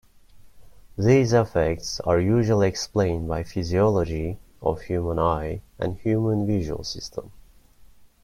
These effects are usually explained by physiology of human eye and human visual system.